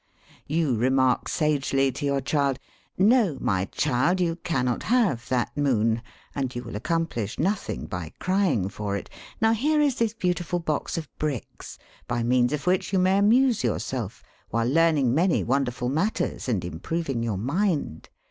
You remark sagely to your child: 'No, my child, you cannot have that moon, and you will accomplish nothing by crying for it. Now, here is this beautiful box of bricks, by means of which you may amuse yourself while learning many wonderful matters and improving your mind.